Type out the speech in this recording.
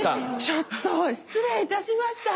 ちょっと失礼いたしました。